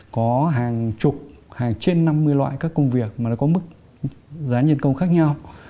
có hàng chục hàng trên năm mươi loại các công việc mà nó có mức giá nhân công khác nhau